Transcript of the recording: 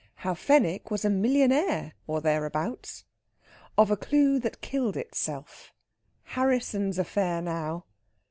HOW FENWICK WAS A MILLIONAIRE, OR THEREABOUTS. OF A CLUE THAT KILLED ITSELF. HARRISSON'S AFFAIR NOW!